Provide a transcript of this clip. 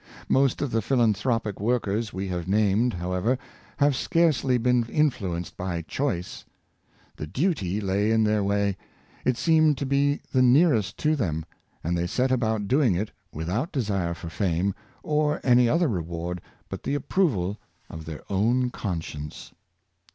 Most of the philanthropic workers we have named, however, have scarcely been influenced by choice. The duty lay in their way — it seemed to be the nearest to them — and they set about doing it without desire for fame, or any other reward but the approval of their own conscience.